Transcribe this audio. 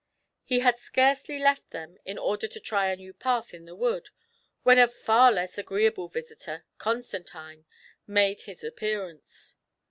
He had scarcely left them, in order to try a new path in the wood, when a far less agreeable visitor, Constan time, made his appearance.